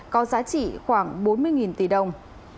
có giá trị khoảng bốn mươi tỷ đồng